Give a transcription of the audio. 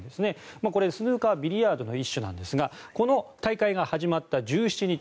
これはビリヤードの一種なんですがこの大会が始まった４月１７日